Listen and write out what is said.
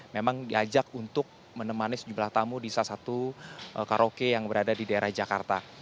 memang diajak untuk menemani sejumlah tamu di salah satu karaoke yang berada di daerah jakarta